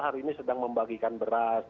hari ini sedang membagikan beras